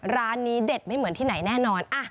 ร้านนี้เด็ดไม่เหมือนที่ไหนแน่นอน